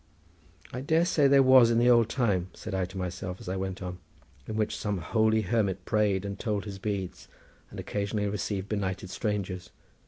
"I dare say there was in the old time," said I to myself, as I went on, "in which some holy hermit prayed and told his beads, and occasionally received benighted strangers.